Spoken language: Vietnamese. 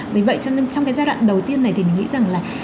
vì vậy cho nên trong cái giai đoạn đầu tiên này thì mình nghĩ rằng là